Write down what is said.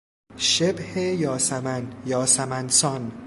شبه یاسمن، یاسمن سان